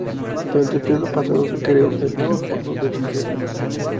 Durante el período pasado se creó el nuevo fondo del museo.